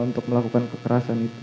untuk melakukan kekerasan itu